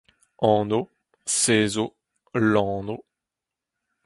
anv, sezv, lanv